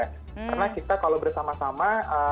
karena kita kalau bersama sama